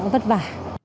vâng tất vả